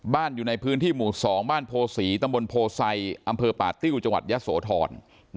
บ้านอยู่ในพื้นที่หมุนสองบ้านโพศีตำรวนโพไซอำเภอป่าต้ิ้วจังหวัดยะสโถร